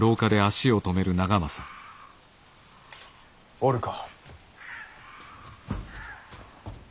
おるか。